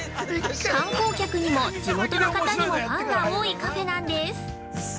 観光客にも地元の方にもファンが多いカフェなんです。